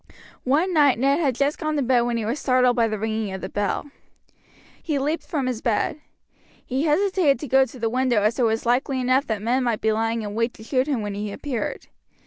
One night Ned had just gone to bed when he was startled by the ringing of the bell. He leaped from his bed. He hesitated to go to the window, as it was likely enough that men might be lying in wait to shoot him when he appeared.